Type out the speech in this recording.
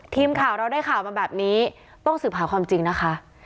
ทีมข่าวเราได้ข่าวมาแบบนี้ต้องสืบหาความจริงนะคะ